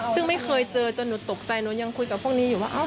ซึ่งไม่เคยเจอจนหนูตกใจหนูยังคุยกับพวกนี้อยู่ว่า